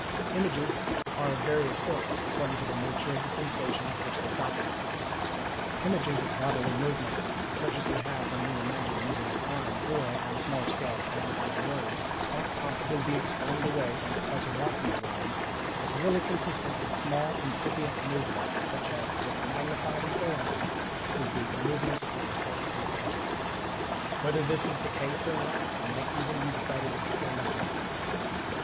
Images are of various sorts, according to the nature of the sensations which they copy. Images of bodily movements, such as we have when we imagine moving an arm or, on a smaller scale, pronouncing a word, might possibly be explained away on Professor Watson's lines, as really consisting in small incipient movements such as, if magnified and prolonged, would be the movements we are said to be imagining. Whether this is the case or not might even be decided experimentally.